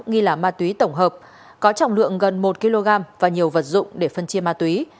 nghi là ma túy tổng hợp có trọng lượng gần một kg và nhiều vật dụng để phân chia ma túy